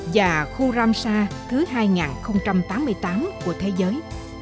và khu ramsar thứ hai nghìn tám mươi tám của thế giới